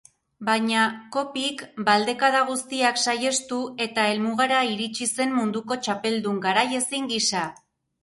Baina Coppik baldekada guztiak saihestu eta helmugara iritsi zen munduko txapeldun garaiezin gisa.